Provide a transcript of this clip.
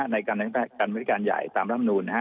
ในการมหี่กัณฑิการใหญ่ตามล้ำเนลนะฮะ